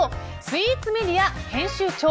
スイーツメディア編集長